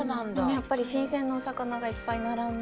やっぱり新鮮なお魚がいっぱい並んで。